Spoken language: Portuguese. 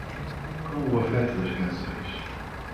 Com o afeto das canções